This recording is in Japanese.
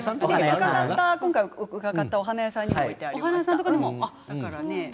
私が今回伺ったお花屋さんにも置いてありました。